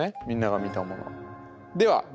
みんなが見たものは。